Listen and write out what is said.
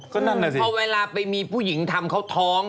ก็นั่นแหละสิพอเวลาไปมีผู้หญิงทำเขาท้อง